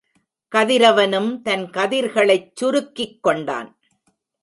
கதிரவனும் தன் கதிர்களைச் சுருக்கிக் கொண்டான்.